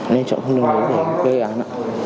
nên chọn khung đường này để gây án